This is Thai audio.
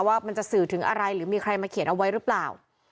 ว่ามันจะสื่อถึงอะไรหรือมีใครมาเขียนเอาไว้หรือเปล่า